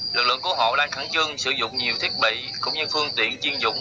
lực lượng cứu hộ đang khẩn trương sử dụng nhiều thiết bị cũng như phương tiện chiên dụng